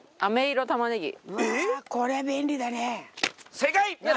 正解！